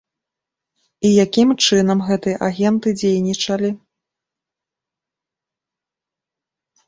І якім чынам гэтыя агенты дзейнічалі?